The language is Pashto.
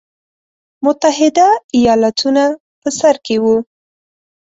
متحده ایالتونه په سر کې وو.